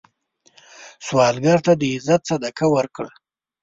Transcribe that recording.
سوالګر ته د عزت صدقه ورکړه